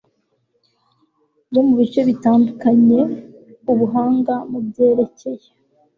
bo mu bice bitandukanye ubuhanga mu byerekeye